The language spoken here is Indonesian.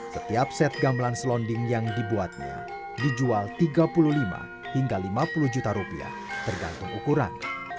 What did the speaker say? setiap set gamelan selonding yang dibuatnya dijual tiga puluh lima hingga lima puluh juta rupiah tergantung ukuran